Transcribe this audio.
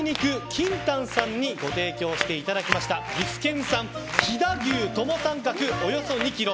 ＫＩＮＴＡＮさんにご提供していただきました岐阜県産飛騨牛トモサンカクおよそ２ｋｇ。